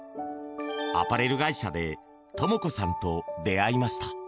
アパレル会社で朝子さんと出会いました。